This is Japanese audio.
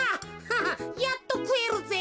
ハハッやっとくえるぜ。